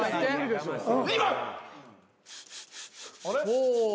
２番。